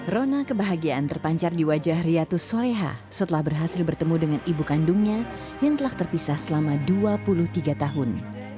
rona kebahagiaan terpancar di wajah riatus soleha setelah berhasil bertemu dengan ibu kandungnya yang telah terpisah selama dua puluh tiga tahun